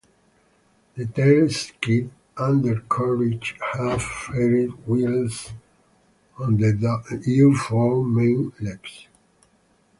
The tailskid undercarriage had faired wheels on V-form main legs.